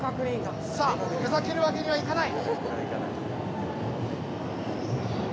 さあふざけるわけにはいかない。